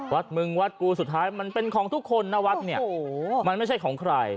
วัดมึงวัดกูสุดท้ายมันเป็นของทุกคนนะวัดเนี่ยมันไม่ใช่ของใคร